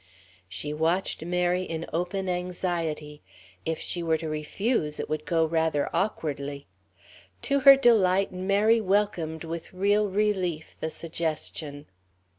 She watched Mary in open anxiety. If she were to refuse, it would go rather awkwardly. To her delight Mary welcomed with real relief the suggestion.